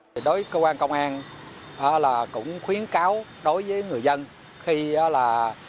đối với công an công an cũng khuyến cáo đối với người dân khi là